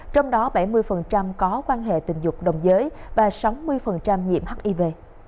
trong đó bảy mươi có quan hệ tình dục đồng giới và sáu mươi nhiễm hiv